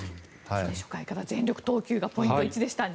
初回から全力投球がポイント１でした。